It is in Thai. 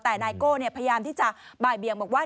แต่ไนโก้เนี่ยพยายามที่จะบ่ายเบียงบอกว่า